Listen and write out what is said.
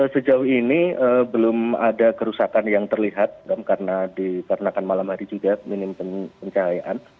sejauh ini belum ada kerusakan yang terlihat dikarenakan malam hari juga minim pencahayaan